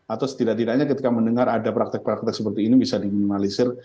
atau setidak tidaknya ketika mendengar ada praktek praktek seperti ini bisa diminimalisir